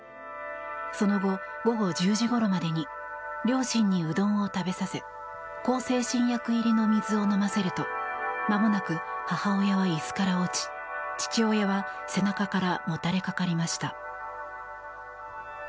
その後、午後１０時ごろまでに両親にうどんを食べさせ向精神薬入りの水を飲ませるとまもなく母親は椅子から落ち父親は背中からもたれかかりました。